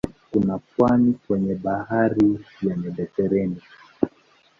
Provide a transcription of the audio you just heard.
Kuna pwani kwenye bahari ya Mediteranea.